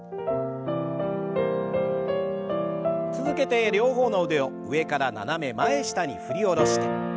続けて両方の腕を上から斜め前下に振り下ろして。